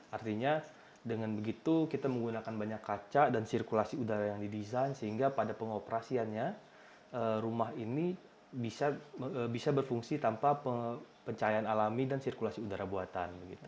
artinya dengan begitu kita menggunakan banyak kaca dan sirkulasi udara yang didesain sehingga pada pengoperasiannya rumah ini bisa berfungsi tanpa pencahayaan alami dan sirkulasi udara buatan